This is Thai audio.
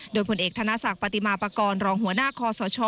โดยผลเอกธนศักดิ์ปฏิมาปากรรองหัวหน้าคอสช